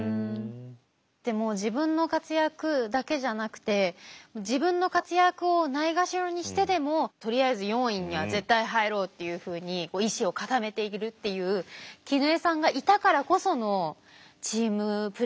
でも自分の活躍だけじゃなくて自分の活躍をないがしろにしてでもとりあえず４位には絶対入ろうっていうふうに意志を固めているっていう本当ですよね。